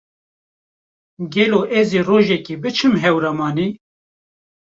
Gelo ez ê rojekê biçim Hewramanê.